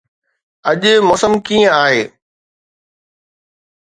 اڄ موسم ڪيئن آهي؟